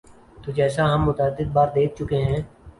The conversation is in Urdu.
تو جیسا ہم متعدد بار دیکھ چکے ہیں۔